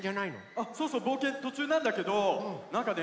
あっそうそうぼうけんとちゅうなんだけどなんかね